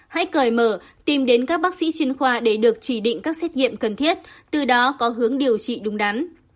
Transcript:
hãy cởi mở tìm đến các bác sĩ chuyên khoa để được chỉ định các xét nghiệm cần thiết từ đó có hướng điều trị đúng đắn